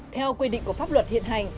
theo quy định của pháp luật hiện hành